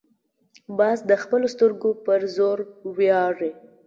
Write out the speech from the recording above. باز د خپلو سترګو پر زور ویاړي